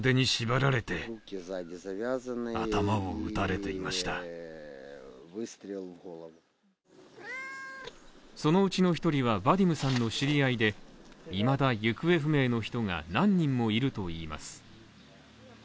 そこで目にしたものはそのうちの１人はヴァディムさんの知り合いでいまだ行方不明の人が何人もいるといいます。